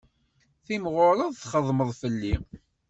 Timɣureḍ txedmeḍ fell-i.